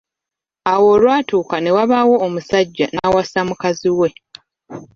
Awo olwatuuka ne wabaawo omusajja n’awasa mukazi we.